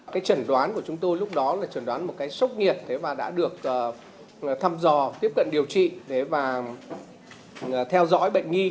cái trần đoán của chúng tôi lúc đó là trần đoán một cái sốc nhiệt và đã được thăm dò tiếp cận điều trị và theo dõi bệnh nghi